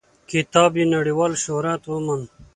کتاب یې نړیوال شهرت وموند.